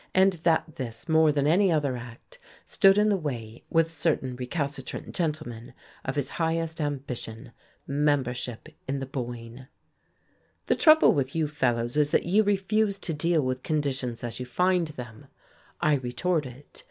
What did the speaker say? And that this, more than any other act, stood in the way, with certain recalcitrant gentlemen, of his highest ambition, membership in the Boyne. "The trouble with you fellows is that you refuse to deal with conditions as you find them," I retorted.